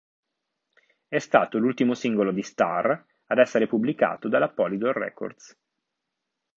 È stato l'ultimo singolo di Starr ad essere pubblicato dalla Polydor Records.